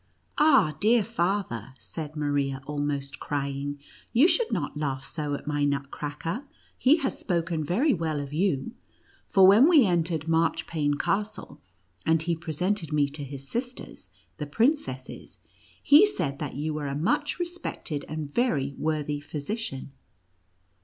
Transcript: "Ah, dear father," said Maria, almost crying, "you should not laugh so at my Nut cracker ; he has spoken very well of you ; for when we entered Marchpane Castle, and he presented me to his sisters, the princesses, he said that you were a much respected and very worthy physician."